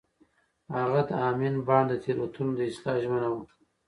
هغه د امین بانډ د تېروتنو د اصلاح ژمنه وکړه.